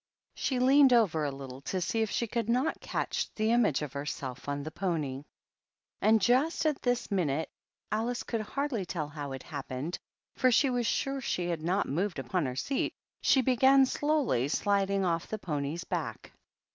She leaned over a little tc see if she could not catch the image of herself or THE PAGEANT. 307 the pony, and just at this minute, — ^Alice could hardly tell how it happened, for she was sure she had not moved upon her seat, — she began slowly sliding off the pony's back.